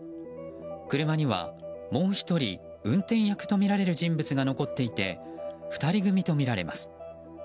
車には、もう１人運転役とみられる人物が残っていて２人組とみられます。